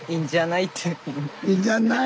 「いいんじゃない？」。